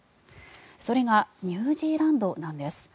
それがニュージーランドです。